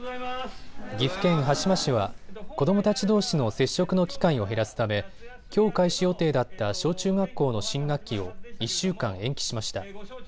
岐阜県羽島市は子どもたちどうしの接触の機会を減らすためきょう開始予定だった小中学校の新学期を１週間、延期しました。